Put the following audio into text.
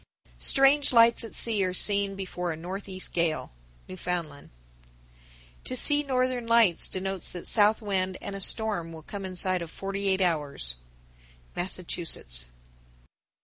Strange lights at sea are seen before a northeast gale. Newfoundland 1062. To see Northern Lights denotes that south wind and a storm will come inside of forty eight hours. _Massachusetts.